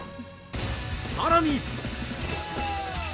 さらに。